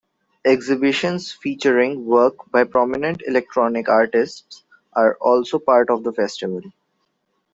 Exhibitions featuring work by prominent electronic artists are also part of the Festival.